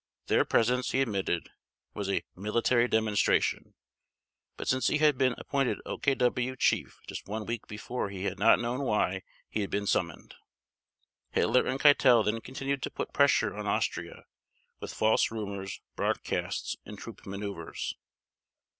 Their presence, he admitted, was a "military demonstration," but since he had been appointed OKW Chief just one week before he had not known why he had been summoned. Hitler and Keitel then continued to put pressure on Austria with false rumors, broadcasts, and troop maneuvers.